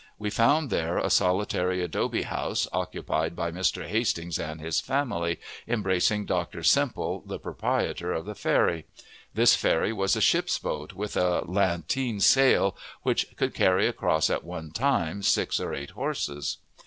We found there a solitary adobe house, occupied by Mr. Hastings and his family, embracing Dr. Semple, the proprietor of the ferry. This ferry was a ship's boat, with a latteen sail, which could carry across at one time six or eight horses.